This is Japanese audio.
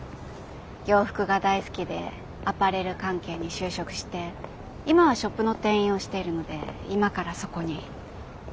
洋服が大好きでアパレル関係に就職して今はショップの店員をしているので今からそこに。